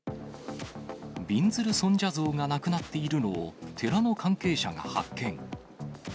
びんずる尊者像がなくなっているのを、寺の関係者が発見。